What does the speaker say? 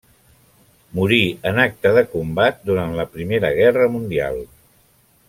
Morí en acte de combat durant la Primera Guerra Mundial.